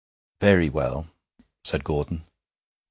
'Very well,' said Gordon.